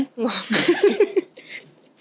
งง